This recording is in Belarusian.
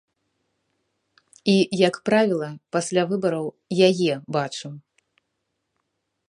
І, як правіла, пасля выбараў яе бачым.